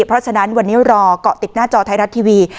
เพราะฉะนั้นวันนี้รอเกาะติดหน้าจอไทยรัฐทีวี